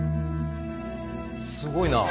すごいな。